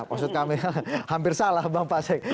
maksud kami hampir salah bang pasek